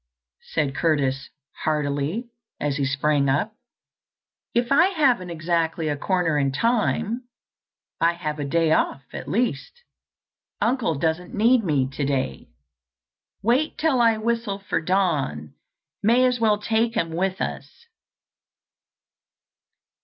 said Curtis heartily, as he sprang up. "If I haven't exactly a corner in time, I have a day off, at least. Uncle doesn't need me today. Wait till I whistle for Don. May as well take him with us."